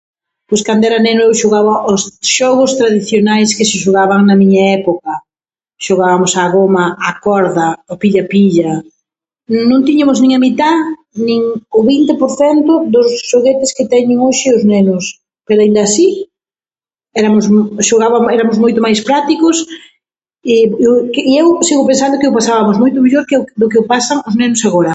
Pois cando era nena eu xogaba ao xogos tradicionais que se xogaban na miña época. Xogabamos a goma, a corda, ao pilla pilla. Non tiñamos nin a mitá nin o vinte por cento dos xoguetes que teñen hoxe os nenos, pero aínda así, eramos mo-xogaba- eramos moito máis prácticos i i eu sigo pensando que o pasabamos moito mellor que o do que o pasan os nenos agora.